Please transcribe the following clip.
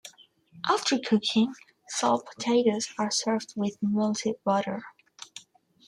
After cooking, salt potatoes are served with melted butter.